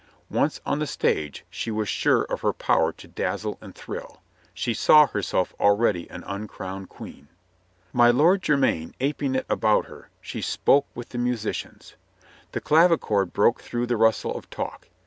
Once on the stage, she was sure of her power to dazzle and thrill. She saw herself already an uncrowned Queen. My Lord Jermyn aping it about her, she spoke with the musicians. The clavichord broke through the rustle of talk.